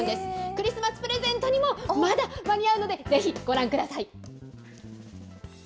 クリスマスプレゼントにもまだ間に合うので、ぜひご覧ください。